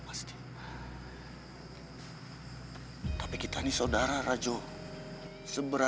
mengecewakan aku secara reming